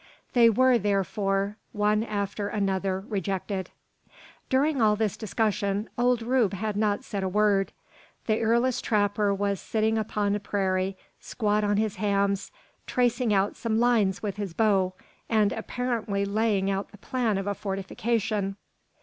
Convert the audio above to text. They were, therefore, one after another rejected. During all this discussion, old Rube had not said a word. The earless trapper was sitting upon the prairie, squat on his hams, tracing out some lines with his bow, and apparently laying out the plan of a fortification.